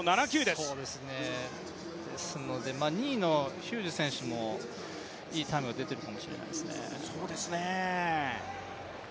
ですので、２位のヒューズ選手も、いいタイムが出ているかもしれません。